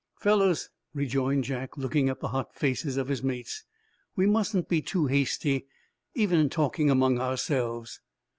"Fellows," rejoined Jack, looking at the hot faces of his mates, "we mustn't be too hasty, even in talking among ourselves."